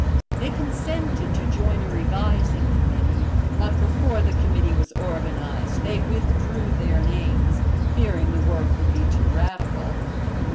They consented to join a revising committee, but before the committee was organized they withdrew their names, fearing the work would be too radical.